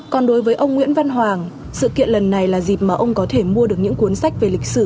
còn đối với ông nguyễn văn hoàng sự kiện lần này là dịp mà ông có thể mua được những cuốn sách về lịch sử